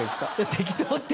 適当って。